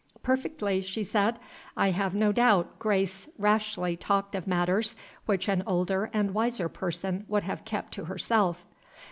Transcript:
"Perfectly," she said. "I have no doubt Grace rashly talked of matters which an older and wiser person would have kept to herself."